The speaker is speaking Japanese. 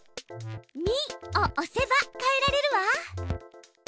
「ミ」を押せば変えられるわ。